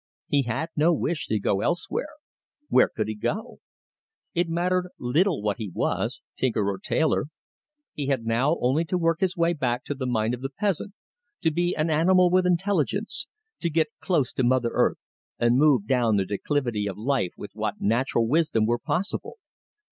He had no wish to go elsewhere where could he go? It mattered little what he was, tinker or tailor. He had now only to work his way back to the mind of the peasant; to be an animal with intelligence; to get close to mother earth, and move down the declivity of life with what natural wisdom were possible.